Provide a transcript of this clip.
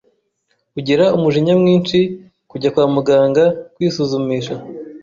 ugira umujinya mwinshi kujya kwa muganga kwisuzumisha